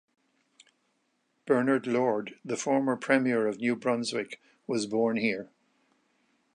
Bernard Lord the former Premier of New Brunswick was born here.